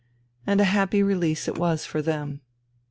And a happy release it was for them!